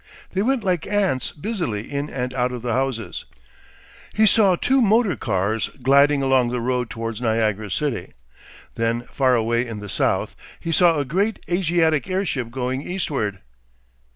They went like ants busily in and out of the houses. He saw two motor cars gliding along the road towards Niagara city. Then far away in the south he saw a great Asiatic airship going eastward.